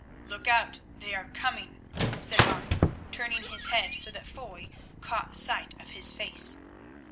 "Look out; they are coming," said Martin, turning his head so that Foy caught sight of his face.